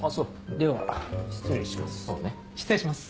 では失礼します。